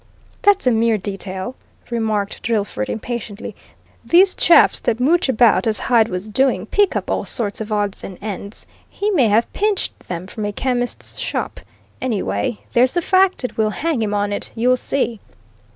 "That's a mere detail," remarked Drillford impatiently. "These chaps that mooch about, as Hyde was doing, pick up all sorts of odds and ends. He may have pinched them from a chemist's shop. Anyway, there's the fact and we'll hang him on it! You'll see!"